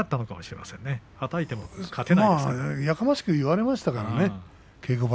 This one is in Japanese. まあ、やかましく言われましたからね。